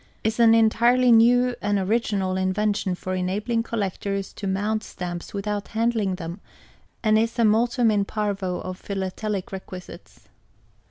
_ Is an entirely New and Original Invention for enabling Collectors to Mount Stamps without handling them, and is a multum in parvo of Philatelic requisites.